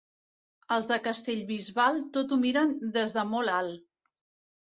Els de Castellbisbal tot ho miren des de molt alt.